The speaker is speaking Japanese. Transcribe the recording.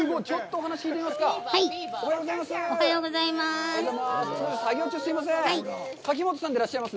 おはようございます。